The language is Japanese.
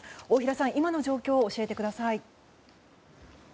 大平さん、今の状況教えてください。